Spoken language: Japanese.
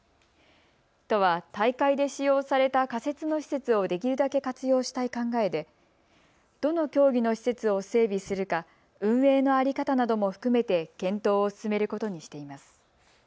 都は大会で使用された仮設の施設をできるだけ活用したい考えでどの競技の施設を整備するか運営の在り方なども含めて検討を進めることにしています。